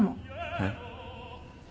えっ？